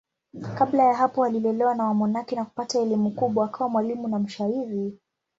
Kabla ya hapo alilelewa na wamonaki na kupata elimu kubwa akawa mwalimu na mshairi.